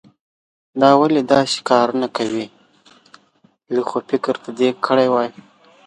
دا ولې داسې کارونه کوې؟ لږ خو فکر به دې کړای وو.